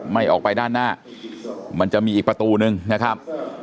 ไม่ออกไปด้านหน้ามันจะมีอีกประตูนึงนะครับ